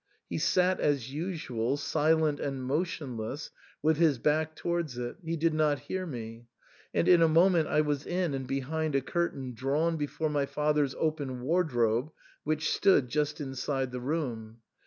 He sat as usual, silent and motion less, with his back towards it ; he did not hear me ; and in a moment I was in and behind a curtain drawn before my father's open wardrobe, which stood just inside the room.